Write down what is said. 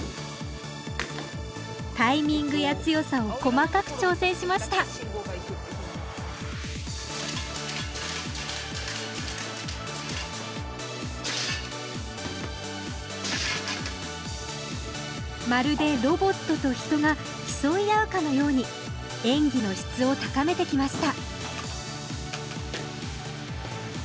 タイミングや強さを細かく調整しましたまるでロボットと人が競い合うかのように演技の質を高めてきました